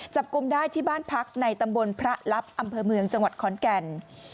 จับกลุ่มได้ที่บ้านพักในตำบลพระลับอำเภอเมืองจังหวัดขอนแก่น